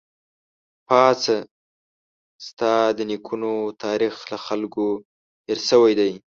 پاڅه ! ستا د نيکونو تاريخ له خلکو هېر شوی دی